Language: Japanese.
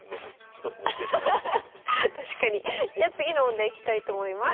じゃ次の問題いきたいと思います。